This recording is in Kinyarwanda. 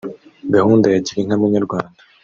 Gahunda ya Girinka Munyarwanda